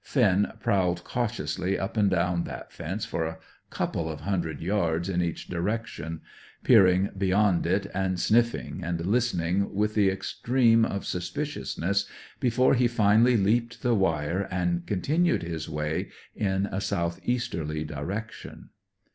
Finn prowled cautiously up and down that fence for a couple of hundred yards in each direction, peering beyond it, and sniffing and listening with the extreme of suspiciousness, before he finally leaped the wire and continued his way in a south easterly direction.